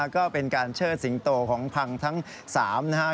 ก็เป็นการเชิดสิงโตของพังทั้ง๓นะครับ